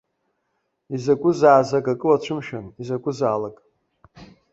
Изакәызаазак акы уацәымшәан, изакәызаалак!